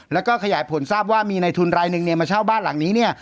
แล้วก็ขยายผลทราบว่ามีในทุนรายนึงมาเช่าบ้านหลังนี้